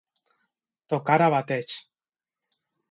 Tocar a bateig.